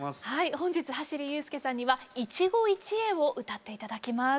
本日走裕介さんには「一期一会」を歌って頂きます。